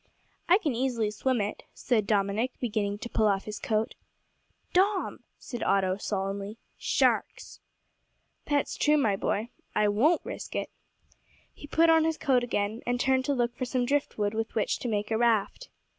"I can easily swim it," said Dominick, beginning to pull off his coat. "Dom," said Otto, solemnly, "sharks!" "That's true, my boy, I won't risk it." He put his coat on again, and turned to look for some drift wood with which to make a raft.